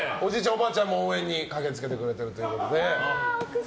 おばあちゃんも応援に駆け付けてくれているということで。